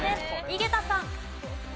井桁さん。